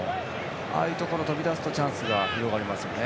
ああいうところで飛び出すとチャンスが広がりますよね。